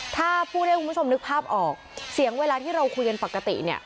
ถ้าพูดให้คุณผู้ชมนึกภาพออกเสียงเวลาที่เราคุยกันปกติเนี่ย